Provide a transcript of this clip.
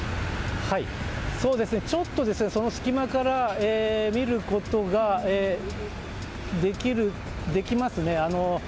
ちょっとその隙間から見ることができますね。